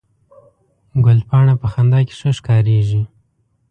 ګلپاڼه په خندا کې ښه ښکارېږي